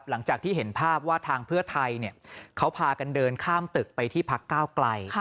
หลังจากที่เห็นภาพว่าทางเพื่อไทยเขาพากันเดินข้ามตึกไปที่พักก้าวไกล